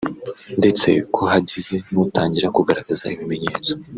ndetse ko hagize n’utangira kugaragaza ibimenyetso